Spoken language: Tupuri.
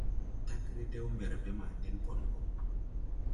Tag redew mberbe ma nen bon go.